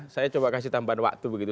saya coba kasih tambahan waktu begitu